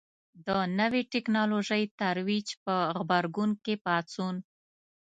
د نوې ټکنالوژۍ ترویج په غبرګون کې پاڅون.